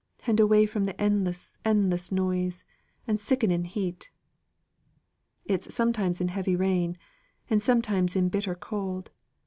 "And away from the endless, endless noise, and sickening heat." "It's sometimes in heavy rain, and sometimes in bitter cold.